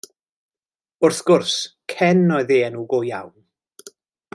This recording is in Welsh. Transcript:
Wrth gwrs, Cen oedd ei enw go iawn.